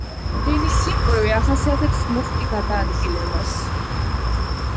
დენის სიმკვრივე ახასიათებს მუხტი გადაადგილებას.